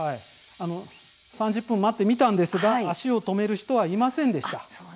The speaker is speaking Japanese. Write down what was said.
３０分、待ってみたんですが足を止める人はいませんでした。